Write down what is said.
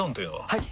はい！